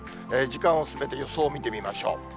時間を進めて予想見てみましょう。